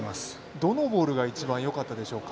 どのボールがよかったでしょうか。